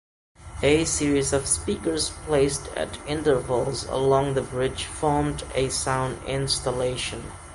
A series of speakers placed at intervals along the bridge formed a sound installation.